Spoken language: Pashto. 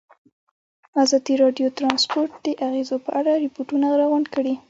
ازادي راډیو د ترانسپورټ د اغېزو په اړه ریپوټونه راغونډ کړي.